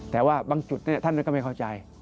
แต่ว่าบางจุดท่านก็ไม่เข้าใจ